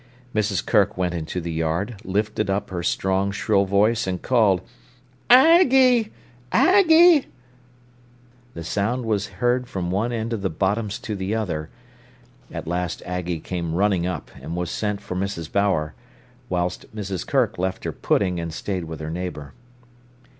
Mrs. Kirk went into the yard, lifted up her strong, shrill voice, and called: "Ag gie—Ag gie!" The sound was heard from one end of the Bottoms to the other. At last Aggie came running up, and was sent for Mrs. Bower, whilst Mrs. Kirk left her pudding and stayed with her neighbour.